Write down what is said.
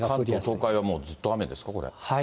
関東、東海はずっと雨ですか、これ。